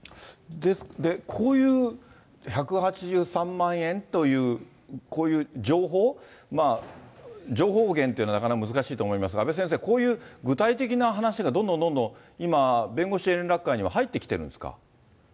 こういう、１８３万円という、こういう情報、情報源というのはなかなか難しいとは思いますが、阿部先生、こういう具体的な話がどんどんどんどん今、弁護士連絡会には入ってきてるんですか。